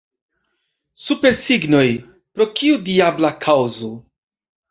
Supersignoj, pro kiu diabla kaŭzo?